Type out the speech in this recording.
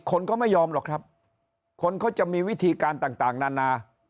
คนก็ไม่ยอมหรอกครับคนเขาจะมีวิธีการต่างนานา